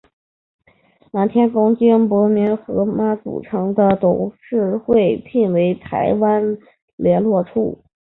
南天宫经莆田湄洲妈祖庙董事会聘为台湾连络处。